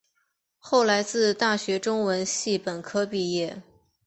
后来自大学中文系本科毕业。